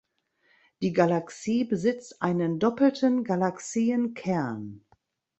Die Galaxie besitzt einen doppelten Galaxienkern.